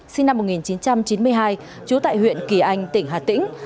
sinh năm một nghìn chín trăm chín mươi hai trú tại huyện kỳ anh tỉnh hà tĩnh